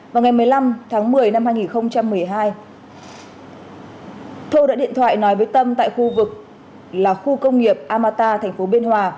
vào ngày một mươi năm tháng một mươi năm hai nghìn một mươi hai thô đã điện thoại nói với tâm tại khu vực là khu công nghiệp amata tp biên hòa